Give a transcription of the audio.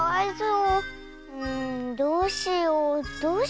うんどうしよう。